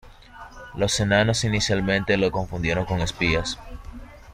Los enanos inicialmente los confundieron con espías.